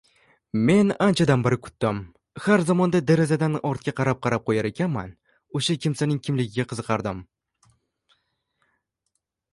Men anchagacha kutdim, har zamonda derazadan ortga qarab-qarab qoʻyarkanman oʻsha kimsaning kimligiga qiziqardim.